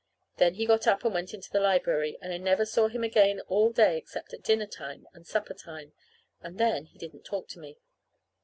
Then he got up and went into the library, and I never saw him again all day except at dinner time and supper time, and then he didn't talk to me.